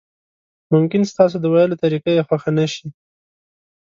ممکن ستاسو د ویلو طریقه یې خوښه نشي.